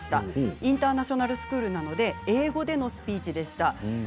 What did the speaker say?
インターナショナルスクールなので英語でのスピーチでした。